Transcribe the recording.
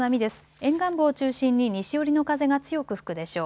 沿岸部を中心に西寄りの風が強く吹くでしょう。